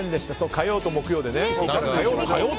火曜と木曜でね。